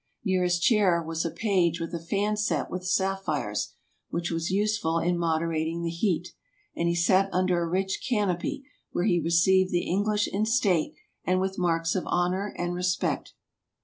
Near his chair was a page with a fan set with sapphires, which was useful in moderating the heat; and he sat under a rich canopy, where he received the Eng lish in state and with marks of honor and respect.